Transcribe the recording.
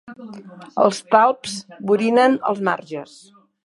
Els talps borinen els marges.